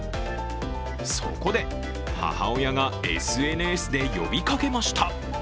そこで母親がＳＮＳで呼びかけました。